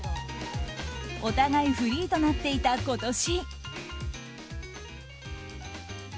お互いフリーとなっていた今年。